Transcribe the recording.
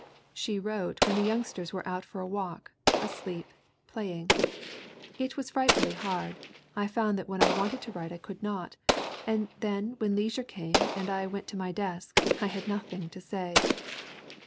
She wrote when the youngsters were out for a walk, asleep, playing. "It was frightfully hard. ... I found that when I wanted to write I could not, and then when leisure came and I went to my desk, I had nothing to say."